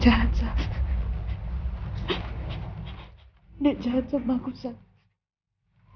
dia jahat sama aku sah